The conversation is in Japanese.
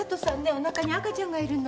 おなかに赤ちゃんがいるの。